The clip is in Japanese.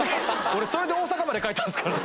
俺それで大阪まで帰ったんですから。